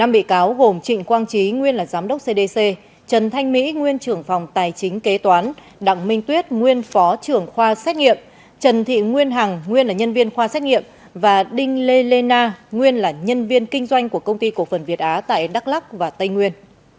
năm bị cáo gồm trịnh quang trí nguyên là giám đốc cdc trần thanh mỹ nguyên trưởng phòng tài chính kế toán đặng minh tuyết nguyên phó trưởng khoa xét nghiệm trần thị nguyên hằng nguyên là nhân viên khoa xét nghiệm và đinh lê lê na nguyên là nhân viên kinh doanh của công ty cổ phần việt á tại đắk lắc và tây nguyên